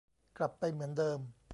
กลับไปเหมือนเดิม